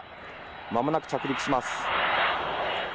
間もなく着陸します。